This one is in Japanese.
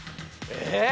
えっ？